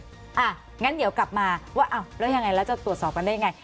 อย่างนั้นเดี๋ยวกลับมาว่าอ้าวแล้วยังไงแล้วจะตรวจสอบกันได้ยังไง